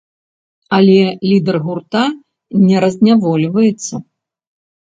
Але лідар гурта не разнявольваецца.